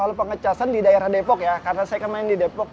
kalau pengecasan di daerah depok ya karena saya kan main di depok